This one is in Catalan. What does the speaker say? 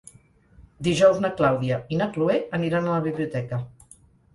Dijous na Clàudia i na Cloè aniran a la biblioteca.